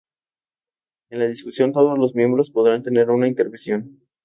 En la discusión todos los miembros podrán tener una intervención.